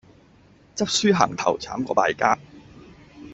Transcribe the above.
執輸行頭慘過敗家